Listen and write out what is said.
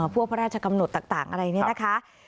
พวกพระราชกำหนดต่างอะไรเนี่ยนะคะ